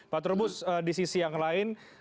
pak trubus di sisi yang lain